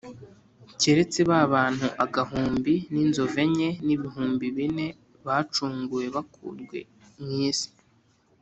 keretse ba bantu agahumbi n’inzovu enye n’ibihumbi bine bacunguwe ngo bakurwe mu isi.